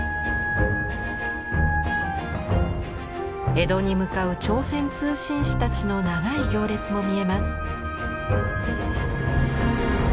江戸に向かう朝鮮通信使たちの長い行列も見えます。